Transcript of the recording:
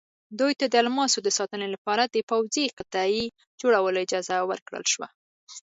دوی ته د الماسو د ساتنې لپاره د پوځي قطعې جوړولو اجازه ورکړل شوه.